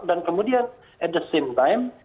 dan kemudian at the same time